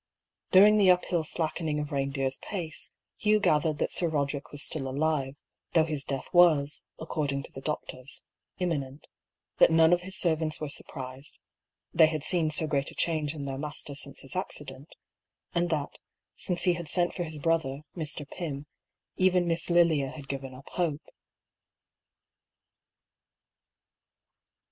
During the uphill slackening of Reindeer's pace, Hugh gathered that Sir Roderick was still alive, though his death was, according to the doctors, imminent; that none of his servants were surprised — they had seen so great a change in their master since his accident ; and that, since he had sent for his brother, Mr. Pym, even Miss Lilia had given up hope.